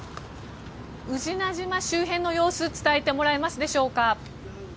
宇品島周辺の様子伝えてもらえますでしょうか。